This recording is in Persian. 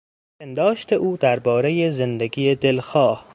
پنداشت او دربارهی زندگی دلخواه